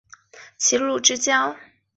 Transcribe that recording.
鲁昭公流亡到齐鲁之交的郓地和干侯。